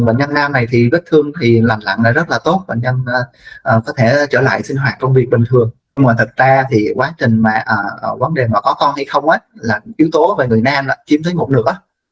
và người nam là chiếm tới một nửa